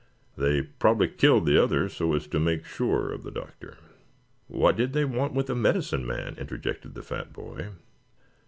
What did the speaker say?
They probably killed the others so as to make sure of the Doctor." "What did they want with a medicine man?" interjected the fat boy.